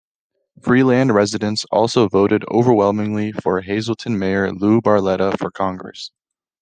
Freeland residents also voted overwhelmingly for Hazleton mayor Lou Barletta for Congress.